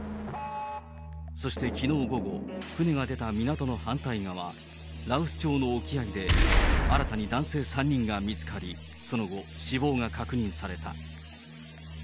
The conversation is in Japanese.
そしてきのう午後、船が出た港の反対側、羅臼町の沖合で新たに男性３人が見つかり、その後、死亡が確認された。